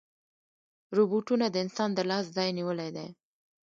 روبوټونه د انسان د لاس ځای نیولی دی.